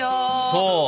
そう。